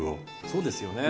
そうですよね。